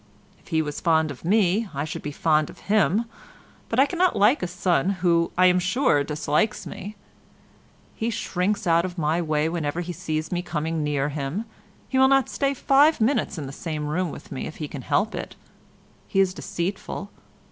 If he was fond of me I should be fond of him, but I cannot like a son who, I am sure, dislikes me. He shrinks out of my way whenever he sees me coming near him. He will not stay five minutes in the same room with me if he can help it. He is deceitful.